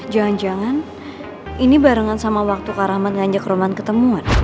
jangan jangan ini barengan sama waktu kak rahmat ngajak roman ketemuan